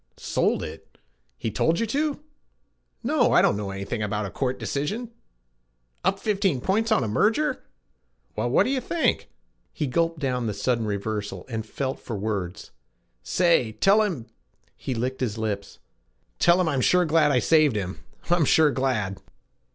Sold it! He told you to! No, I dunno anything about a court decision. Up 15 points on a merger! Well what do you think ' He gulped down the sudden reversal and felt for words. 'Say, tell him, ' he licked his lips, 'tell him I'm sure glad I saved him. I'm sure glad.'